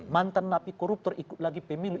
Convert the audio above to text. mantan napi koruptor ikut lagi pemilu